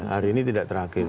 hari ini tidak terakhir